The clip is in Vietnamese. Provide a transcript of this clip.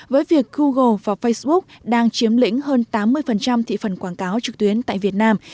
với việc google và facebook đang chiếm lĩnh hơn tám mươi thị phần quảng cáo trực tuyến tại việt nam